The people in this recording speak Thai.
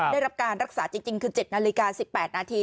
ได้รับการรักษาจริงคือ๗นาฬิกา๑๘นาที